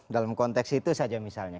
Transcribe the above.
dalam konteks itu saja misalnya